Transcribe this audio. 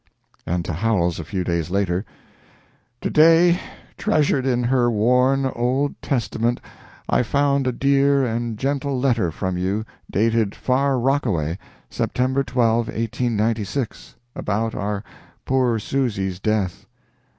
And to Howells a few days later: "To day, treasured in her worn, old testament, I found a dear and gentle letter from you dated Far Rockaway, September 12, 1896, about our poor Susy's death.